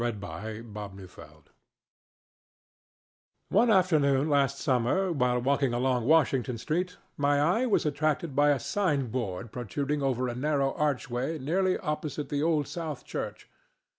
HOWE'S MASQUERADE One afternoon last summer, while walking along Washington street, my eye was attracted by a sign board protruding over a narrow archway nearly opposite the Old South Church.